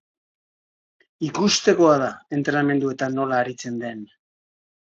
Ikustekoa da entrenamenduetan nola aritzen den.